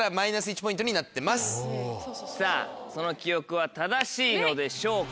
その記憶は正しいのでしょうか？